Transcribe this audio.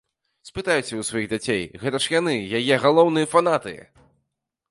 Спытайце ў сваіх дзяцей, гэта ж яны яе галоўныя фанаты!